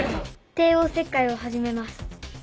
帝王切開を始めます。